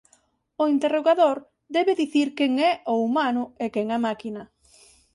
O interrogador debe dicir quen é o humano e quen a máquina.